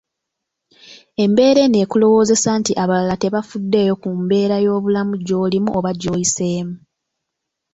Embeera eno ekulowoozesa nti abalala tebafuddeyo ku mbeera y'obulamu gy'olimu oba gy'oyiseemu